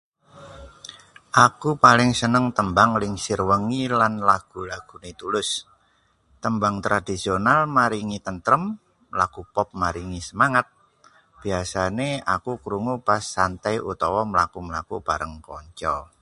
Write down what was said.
Aku paling seneng tembang Lingsir Wengi lan lagu-lagune Tulus. Tembang tradisional maringi tentrem, lagu pop maringi semangat. Biasane aku krungu pas santai utawa mlaku-mlaku bareng kanca.